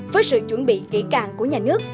với sự chuẩn bị kỹ càng của nhà nước